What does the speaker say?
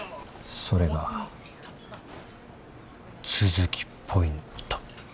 それが都築ポイント。